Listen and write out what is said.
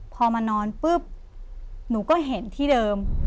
พอมานอนปุ๊บหนูก็เห็นที่เดิม